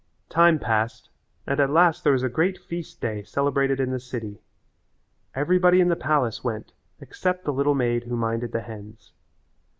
Time passed and at last there was a great feast day celebrated in the city. Everybody in the palace went except the little maid who minded the hens.